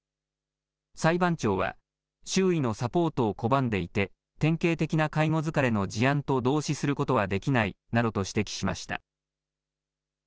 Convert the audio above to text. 裁判長は、周囲のサポートを拒んでいて、典型的な介護疲れの事案と同視することはできないなどと指摘しました。